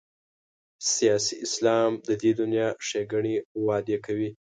سیاسي اسلام د دې دنیا ښېګڼې وعدې کوي.